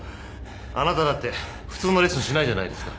あなただって普通のレッスンしないじゃないですか。